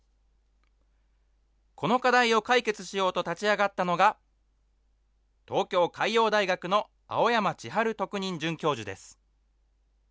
この課題を解決しようと立ち上がったのが、東京海洋大学の青山千春特任准教授です。